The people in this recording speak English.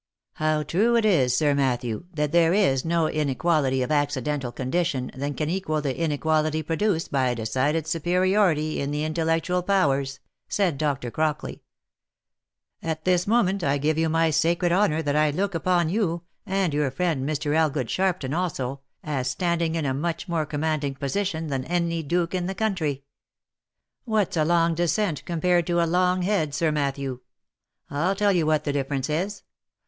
" How true it is, Sir Matthew, that there is no inequality of acci dental condition than can equal the inequality produced by a decided superiority in the intellectual powers," said Dr. Crockley. " At this moment I give you my sacred honour that I look upon you, and your friend Mr. Elgood Sharpton also, as standing in a much more com manding position than any duke in the country. What's a long descent compared to a longhead, Sir Matthew? I'll tell you what the difference is.